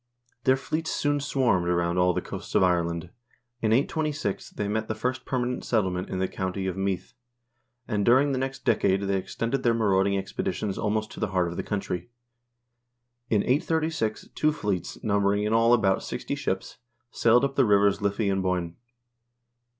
Their fleets soon swarmed around all the coasts of Ireland. In 826 they made the first permanent settlement in the county of Meath, and during the next decade they extended their marauding expeditions almost to the heart of the country. In 836 two fleets, numbering in all about sixty ships, sailed up the rivers Liffy and Boyne.